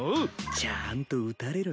ちゃんと打たれろよ。